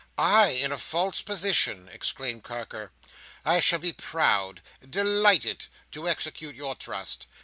"I in a false position!" exclaimed Carker. "I shall be proud—delighted—to execute your trust.